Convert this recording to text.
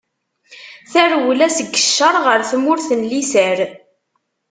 Tarewla seg ccer ɣer tmura n liser.